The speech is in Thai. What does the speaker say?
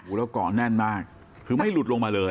แล้วเกาะแน่นมากคือไม่หลุดลงมาเลย